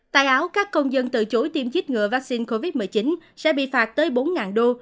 tại áo các công dân từ chối tiêm chích ngừa vaccine covid một mươi chín sẽ bị phạt tới bốn đô